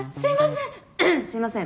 すいません。